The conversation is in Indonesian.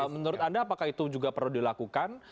menurut anda apakah itu juga perlu dilakukan